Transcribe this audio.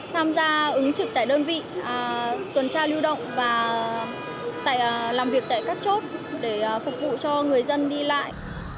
tham gia ứng trực tại đơn vị tuần tra lưu động và làm việc tại các chốt để phục vụ cho người dân đi lại